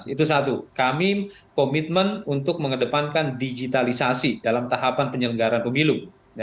itu satu kami komitmen untuk mengedepankan digitalisasi dalam tahapan penyelenggaran pemilu